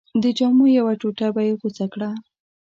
د جامو یوه ټوټه به یې غوڅه کړه.